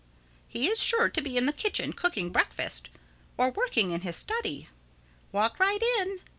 He is sure to be in the kitchen cooking breakfast—or working in his study. Walk right in.